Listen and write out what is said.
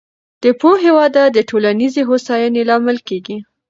د پوهې وده د ټولنیزې هوساینې لامل کېږي.